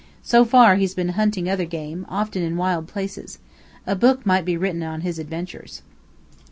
So far, he's been hunting other game, often in wild places. A book might be written on his adventures."